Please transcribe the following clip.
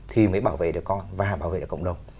thì mới bảo vệ được con và bảo vệ được cộng đồng